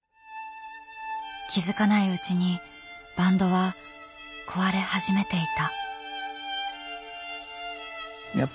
気付かないうちにバンドは壊れ始めていた。